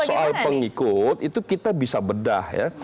nah kalau soal pengikut itu kita bisa bedah ya